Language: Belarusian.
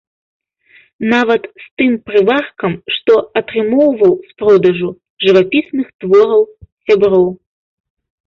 Нават з тым прываркам, што атрымоўваў з продажу жывапісных твораў сяброў.